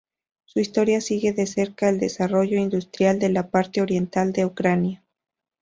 Su historia sigue de cerca el desarrollo industrial de la parte oriental de Ucrania.